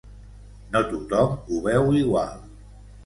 No tothom ho veu igual.